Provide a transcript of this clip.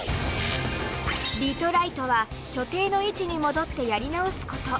「リトライ」とは所定の位置に戻ってやり直すこと。